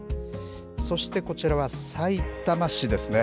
そしてこちらはさいたま市ですね。